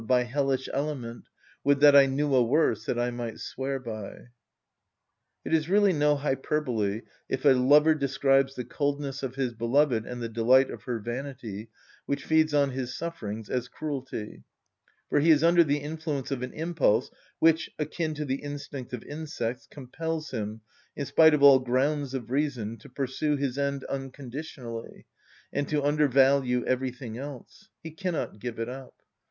By hellish element! Would that I knew a worse, that I might swear by!" It is really no hyperbole if a lover describes the coldness of his beloved and the delight of her vanity, which feeds on his sufferings, as cruelty; for he is under the influence of an impulse which, akin to the instinct of insects, compels him, in spite of all grounds of reason, to pursue his end unconditionally, and to undervalue everything else: he cannot give it up.